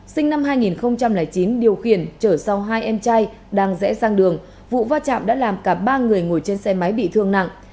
sinh năm hai nghìn chín điều khiển chở sau hai em trai đang rẽ sang đường vụ va chạm đã làm cả ba người ngồi trên xe máy bị thương nặng